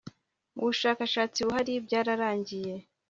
mu bushakashatsi buhari byararangiye